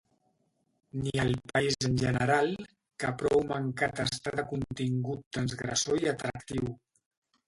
Ni al país en general que prou mancat està de contingut transgressor i atractiu.